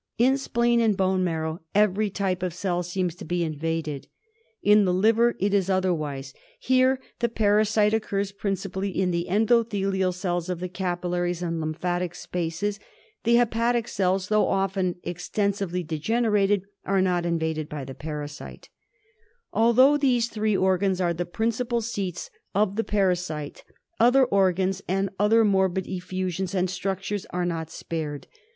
In spleen and bone marrow every type of cell seems to he\ invaded. In the liver it is otherwise ; here the parasite( occurs principally in the endothelial cells of the capillaries;' and lymphatic spaces ; the hepatic cells, though often^ extensively degenerated, are not invaded by the parasite, i Although these three organs are the principal seats) of the parasite, other organs, and even morbid effusions [ and structures are not spared.